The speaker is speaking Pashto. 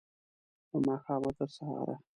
له ماښامه، تر سهاره